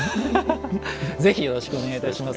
ぜひよろしくお願いいたします。